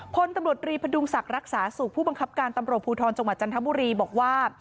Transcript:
พลตำรวจรีพดุงศักดิ์รักษาสุขผู้บังคับการตำรวจภูทรจังหวัดจันทบุรีบอกว่า